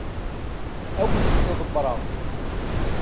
Ad awen-t-id-ḍebbreɣ.